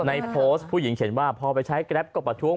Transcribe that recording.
ในโพสต์ผู้หญิงเขียนว่าพอไปใช้กราบกระเป๋าผัดทุกข์